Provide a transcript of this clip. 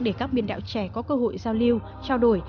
để các biên đạo trẻ có cơ hội giao lưu trao đổi